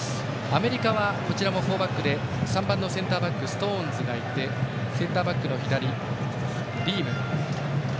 アメリカはフォーバックで３番のセンターバックストーンズがいてセンターバックの左、リーム。